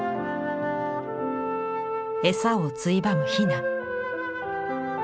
餌をついばむ雛。